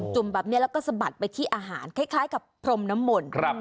ุ่มแบบนี้แล้วก็สะบัดไปที่อาหารคล้ายกับพรมน้ำมนต์